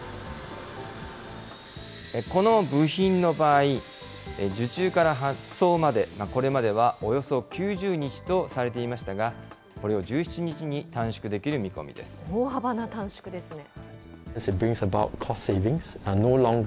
この部品の場合、受注から発送まで、これまではおよそ９０日とされていましたが、これを１７日に短縮大幅な短縮ですね。